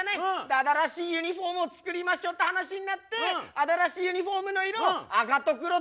新しいユニフォームを作りましょって話になって新しいユニフォームの色赤と黒どっちがいいべって。